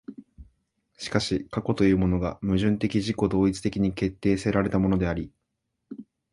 しかし過去というものが矛盾的自己同一的に決定せられたものであり、